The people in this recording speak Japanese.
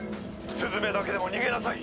「スズメだけでも逃げなさい！」